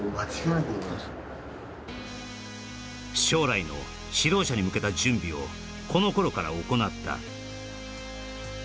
将来の指導者に向けた準備をこの頃から行った